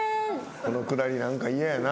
このくだり何か嫌やな。